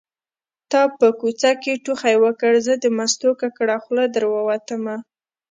تا په کوڅه کې ټوخی وکړ زه د مستو ککړه خوله در ووتمه